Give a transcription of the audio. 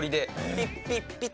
ピッピッピッ！